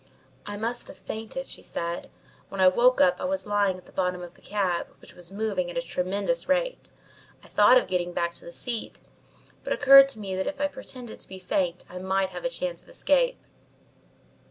"I must have fainted," she said. "When I woke up I was lying at the bottom of the cab, which was moving at a tremendous rate. I thought of getting back to the seat, but it occurred to me that if I pretended to be faint I might have a chance of escape.